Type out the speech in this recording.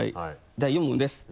第４問です。